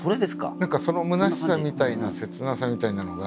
何かそのむなしさみたいな切なさみたいなのが。